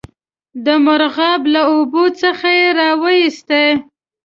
د مرغاب له اوبو څخه یې را وایستی.